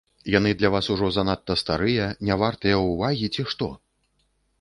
Яны для вас ужо занадта старыя, не вартыя ўвагі, ці што?